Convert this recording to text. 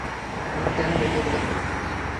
আমি কেন ভেতরে যাবো?